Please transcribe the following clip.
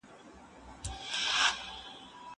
زه بايد موبایل کار کړم!